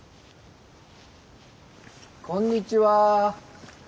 こんにちは。